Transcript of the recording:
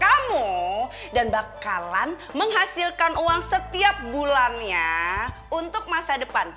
kamu dan bakalan menghasilkan uang setiap bulannya untuk masa depan